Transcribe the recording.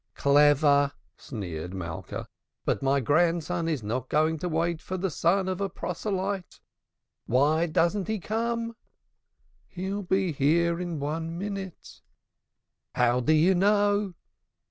"Clever!" sneered Malka. "But my grandson is not going to wait for the son of a proselyte. Why doesn't he come?" "He'll be here in one minute." "How do you know?"